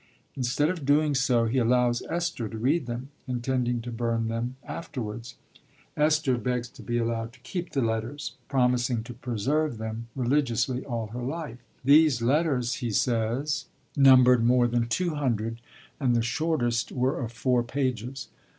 Instead of doing so he allows Esther to read them, intending to burn them afterwards. Esther begs to be allowed to keep the letters, promising to 'preserve them religiously all her life.' 'These letters,' he says, 'numbered more than two hundred, and the shortest were of four pages.'